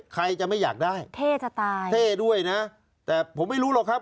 ใครจะไม่อยากได้เท่จะตายเท่ด้วยนะแต่ผมไม่รู้หรอกครับ